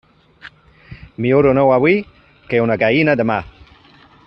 Millor un ou avui que una gallina demà.